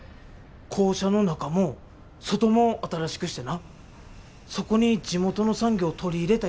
校舎の中も外も新しくしてなそこに地元の産業取り入れたいって言って。